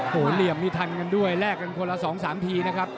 โหเรียบมีทันกันด้วยแลกกันคนละ๒๓ทีนะครับ